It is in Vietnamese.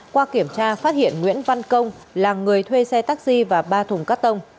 qua kiểm tra phát hiện nguyễn văn công là người thuê xe taxi và ba thùng cắt tông